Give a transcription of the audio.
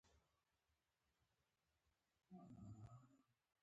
عطرونه د ځانګړي شخصیت ښکارندويي کوي.